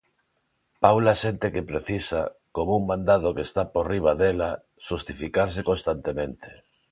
Paula sente que precisa, como un mandado que está por riba dela, xustificarse constantemente.